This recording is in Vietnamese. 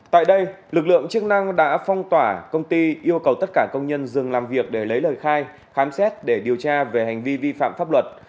tại đây lực lượng chức năng đã phong tỏa công ty yêu cầu tất cả công nhân dừng làm việc để lấy lời khai khám xét để điều tra về hành vi vi phạm pháp luật